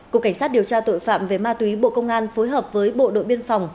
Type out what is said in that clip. cục cảnh sát điều tra tội phạm về ma túy bộ công an phối hợp với bộ đội biên phòng